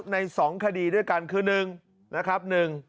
ใน๒คดีด้วยกันคือ๑นะครับ